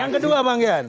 yang kedua bang gian